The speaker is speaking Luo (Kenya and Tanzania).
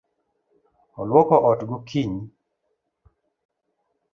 Oluoko ot gokinyi.